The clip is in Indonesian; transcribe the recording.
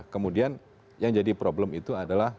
kemudian yang jadi problem itu adalah